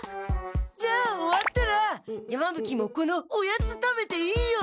じゃあ終わったら山ぶ鬼もこのおやつ食べていいよ！